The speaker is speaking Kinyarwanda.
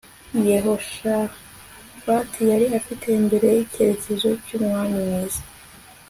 Yehoshafati yari afite imbere ye icyitegererezo cyumwami mwiza